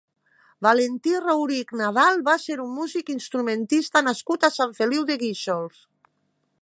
Valentí Rourich Nadal va ser un músic instrumentista nascut a Sant Feliu de Guíxols.